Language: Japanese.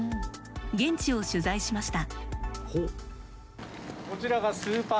現地を取材しました。